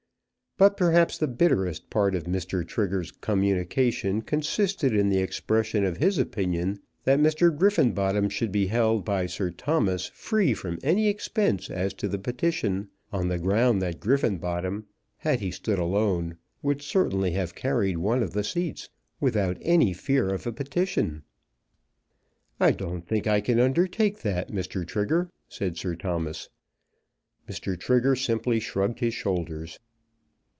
But perhaps the bitterest part of Mr. Trigger's communication consisted in the expression of his opinion that Mr. Griffenbottom should be held by Sir Thomas free from any expense as to the petition, on the ground that Griffenbottom, had he stood alone, would certainly have carried one of the seats without any fear of a petition. "I don't think I can undertake that, Mr. Trigger," said Sir Thomas. Mr. Trigger simply shrugged his shoulders.